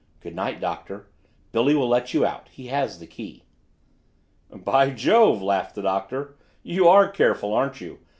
"Good night, Doctor Billy will let you out, he has the key." "By Jove!" laughed the Doctor, "you are careful, aren't you!